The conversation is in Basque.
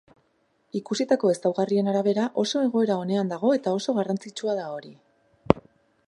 Ikusitako ezaugarrien arabera, oso egoera onean dago eta oso garrantzitsua da hori.